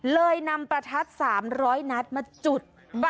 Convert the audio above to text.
เลยนำประทัด๓๐๐นัดมาจุด